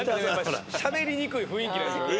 しゃべりにくい雰囲気なんでしょうね。